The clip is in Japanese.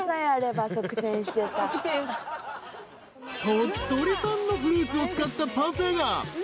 ［鳥取産のフルーツを使ったパフェが］